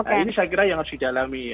nah ini saya kira yang harus didalami